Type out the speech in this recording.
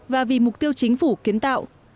và vì mục tiêu chính phủ kiến tạo